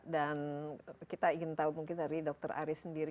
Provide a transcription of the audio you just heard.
dan kita ingin tahu mungkin dari dokter aris sendiri